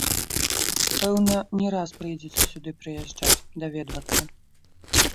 Пэўна, не раз прыйдзецца сюды прыязджаць, даведвацца.